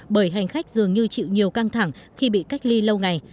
bởi hành khách dường như chịu nhiều căng thẳng khi bị cách ly lâu ngày